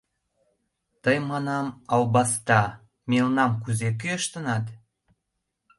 — Тый, манам, албаста, мелнам кузе кӱэштынат?